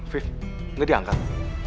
viv nggak diangkat